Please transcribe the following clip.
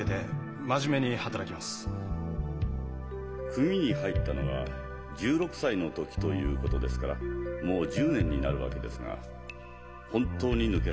組に入ったのは１６歳の時ということですからもう１０年になるわけですが本当に抜けられますか？